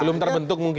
belum terbentuk mungkin